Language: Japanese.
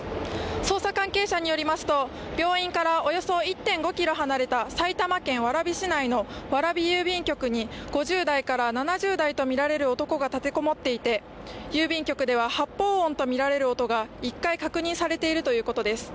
捜査関係者によりますと、病院からおよそ１．５ｋｍ離れた埼玉県蕨市内の蕨郵便局に５０代から７０代と見られる男が立てこもっていて、郵便局では発砲音とみられる男が１回、確認されているということです。